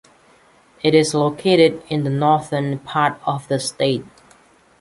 It is located in the northern part of the state.